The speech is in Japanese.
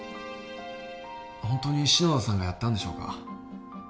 本当に篠田さんがやったんでしょうか？